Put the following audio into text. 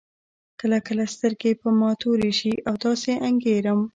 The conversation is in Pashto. کله کله سترګې په ما تورې شي او داسې انګېرم.